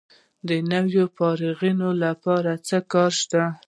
د نویو فارغانو لپاره کار شته؟